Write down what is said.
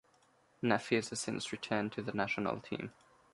Nafees has since returned to the national team.